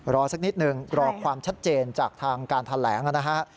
สักนิดนึงรอความชัดเจนจากทางการแถลงนะฮะ